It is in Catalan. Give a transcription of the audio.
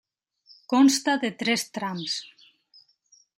Consta de tres trams.